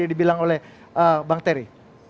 yang dibilang oleh bang terry